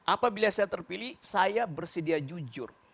apabila saya terpilih saya bersedia jujur